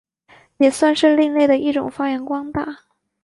也算是另类的一种发扬光大。